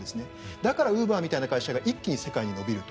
だから、ウーバーみたいな会社が一気に世界に伸びると。